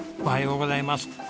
おはようございます。